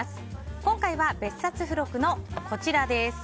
今回は別冊付録のこちら。